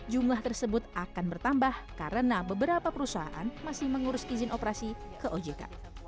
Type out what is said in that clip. jumlah tersebut akan bertambah karena beberapa perusahaan masih mengurus izin operasi ke ojk